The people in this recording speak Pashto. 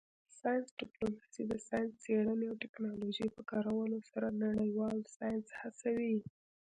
ساینس ډیپلوماسي د ساینسي څیړنې او ټیکنالوژۍ په کارولو سره نړیوال ساینس هڅوي